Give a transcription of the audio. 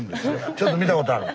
ちょっと見たことある？